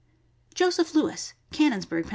Joseph Lewis, Cannonsburgh, Penn.